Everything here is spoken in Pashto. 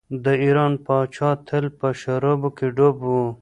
د ایران پاچا تل په شرابو کې ډوب و.